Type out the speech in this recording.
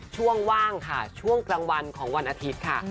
ช่วงว่างค่ะช่วงกลางวันของวันอาทิตย์ค่ะ